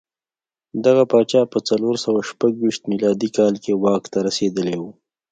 دغه پاچا په څلور سوه شپږ ویشت میلادي کال کې واک ته رسېدلی و